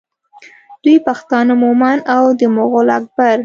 دوی پښتانه مومند او د مغول اکبر